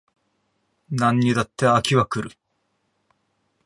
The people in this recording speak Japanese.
何にだって飽きは来る